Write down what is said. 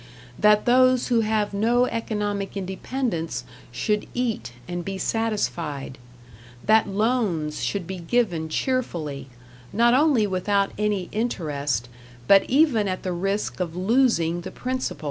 that those who have no economic independence should eat and be satisfied; that loans should be given cheerfully, not only without any interest, but even at the risk of losing the principal.